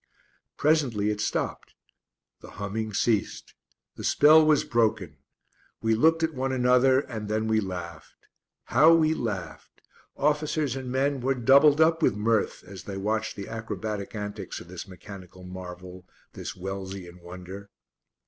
Presently it stopped. The humming ceased. The spell was broken. We looked at one another, and then we laughed. How we laughed! Officers and men were doubled up with mirth as they watched the acrobatic antics of this mechanical marvel this Wellsian wonder.